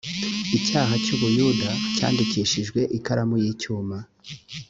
icyaha cy’ab’i buyuda cyandikishijwe ikaramu y’icyuma